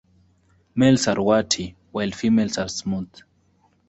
Males are warty, while females are smooth.